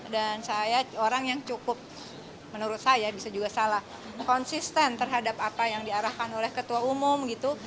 dan saya orang yang cukup menurut saya bisa juga salah konsisten terhadap apa yang diarahkan oleh ketua umum